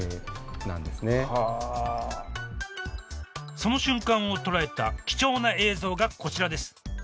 その瞬間を捉えた貴重な映像がこちらです。